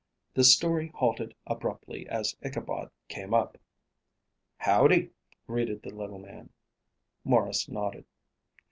The story halted abruptly as Ichabod came up. "Howdy!" greeted the little man. Maurice nodded.